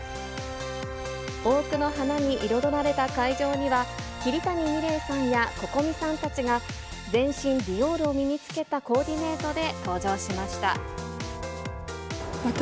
多くの花に彩られた会場には、桐谷美玲さんやＣｏｃｏｍｉさんたちが、全身ディオールを身に着けたコーディネートで登場しました。